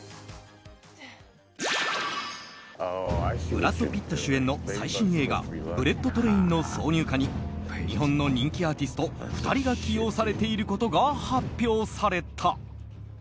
ブラッド・ピット主演の最新映画「ブレット・トレイン」の挿入歌に日本の人気アーティスト２人が起用されていることが発表された。